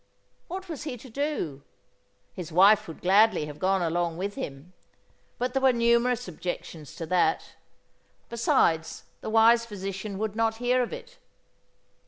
What was he to do? His wife would gladly have gone along with him. But there were numerous objections to that. Besides, the wise physician would not hear of it.